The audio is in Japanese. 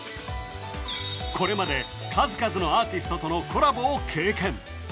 これまで数々のアーティストとのコラボを経験